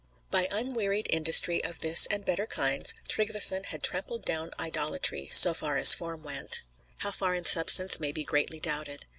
By unwearied industry of this and better kinds, Tryggveson had trampled down idolatry, so far as form went, how far in substance may be greatly doubted.